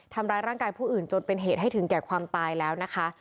ทำร้ายร่างกายผู้อื่นจนเป็นเหตุให้ถึงแก่ความตายแล้วนะคะ